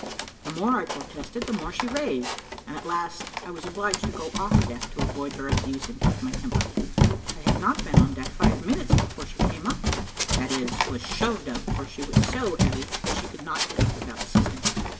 The more I protested, the more she raved; and at last I was obliged to go off deck to avoid her abuse and keep my temper I had not been on deck five minutes before she came up that is, was shoved up, for she was so heavy that she could not get up without assistance.